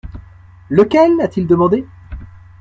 «Lequel ?» a-t-il demandé.